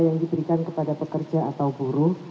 yang diberikan kepada pekerja atau buruh